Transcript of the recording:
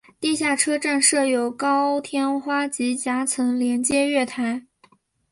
地下车站设有高天花及夹层连接月台。